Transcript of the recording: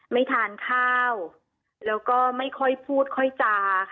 ไม่ทานข้าวแล้วก็ไม่ค่อยพูดค่อยจา